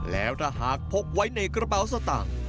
แล้วถ้าหากพกไว้ในกระเป๋าสตางค์